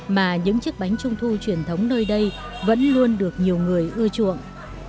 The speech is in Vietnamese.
mà những chiếc bánh trung thu truyền thống nơi đây vẫn luôn được nhiều người ưa chuộng